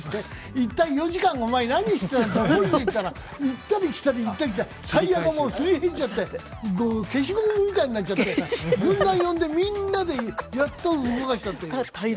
一体４時間、お前、何してたんだといったら行ったり来たり、行ったり来たりタイヤがすり減っちゃって消しゴムみたいになっちゃって軍団呼んでみんなでやっと動かしたっていう。